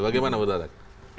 bagaimana buta atak